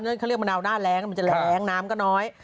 เขาเรียกมะนาวหน้าแรงมันจะแรงน้ำก็น้อย